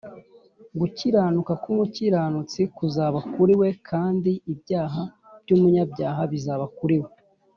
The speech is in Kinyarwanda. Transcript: gukiranuka k’umukiranutsi kuzaba kuri we, kandi ibyaha by’umunyabyaha bizaba kuri we